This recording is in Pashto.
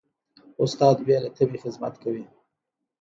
استاد بې له تمې خدمت کوي.